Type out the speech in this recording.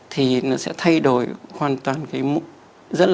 thì nó sẽ thay đổi hoàn toàn cái mụn